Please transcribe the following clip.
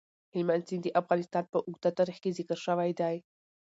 هلمند سیند د افغانستان په اوږده تاریخ کې ذکر شوی دی.